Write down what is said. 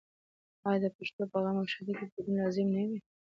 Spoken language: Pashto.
آیا د پښتنو په غم او ښادۍ کې ګډون لازمي نه وي؟